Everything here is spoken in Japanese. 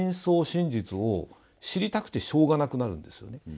真実を知りたくてしょうがなくなるんですよね。